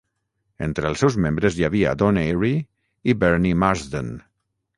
Entre els seus membres hi havia Don Airey i Bernie Marsden.